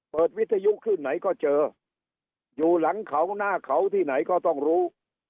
วิทยุขึ้นไหนก็เจออยู่หลังเขาหน้าเขาที่ไหนก็ต้องรู้